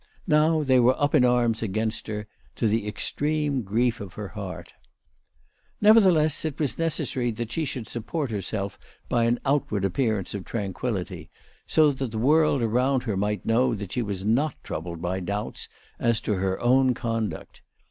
Now they were up in arms against her, to the extreme grief of her heart. Nevertheless it was necessary that she should sup port herself by an outward appearance of tranquillity, so that the world around her might know that she was not troubled by doubts as to her own conduct.